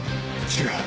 違う。